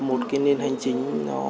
một nền hành chính